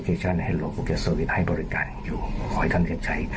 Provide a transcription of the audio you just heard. ขอให้ท่านเจ็บใจ